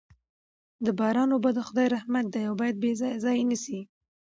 د باران اوبه د خدای رحمت دی او باید بې ځایه ضایع نه سي.